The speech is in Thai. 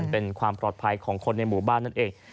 เป็นความปลอดภัยของคนในหมู่บ้านนั่นเอง